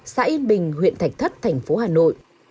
xã yên bình huyện thạch thất tp hà nội